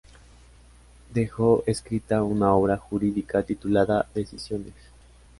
Dejó escrita una obra jurídica titulada "Decisiones".